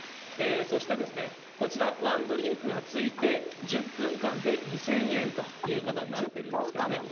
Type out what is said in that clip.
そして、こちら、ワンドリンクがついて、１０分間で２０００円と１０分間なんですね。